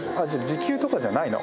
時給とかじゃないの？